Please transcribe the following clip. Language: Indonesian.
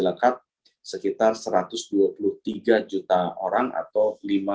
lengkap sekitar satu ratus dua puluh tiga juta orang atau lima puluh sembilan